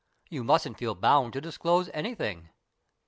You mustn't feel bound to disclose anything."